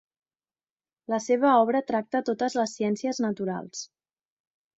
La seva obra tracta totes les ciències naturals.